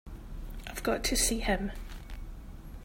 I've got to see him.